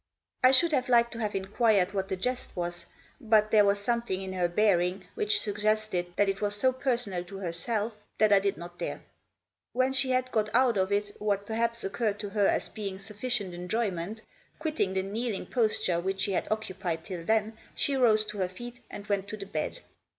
I should have liked to have inquired what the jest was, but there was something in her bearing which suggested that it was so personal to herself that I did not dare. When she had got out of it what perhaps occurred to her as being sufficient enjoyment, quitting the kneeling posture which she had occupied till then, she rose to her feet and went to the bed.